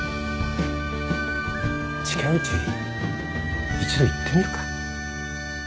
近いうち一度行ってみるか。